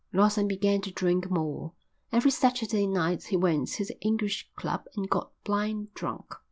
Lawson began to drink more. Every Saturday night he went to the English Club and got blind drunk.